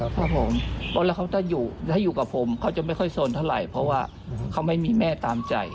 ครับผมว่าแล้วเขาจะอยู่ถ้าอยู่กับผมเขาจะไม่ค่อยสนเท่าไหร่เพราะว่าเขาไม่มีแม่ตามใจ